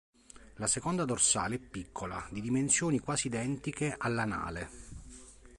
La seconda dorsale è piccola, di dimensioni quasi identiche all'anale.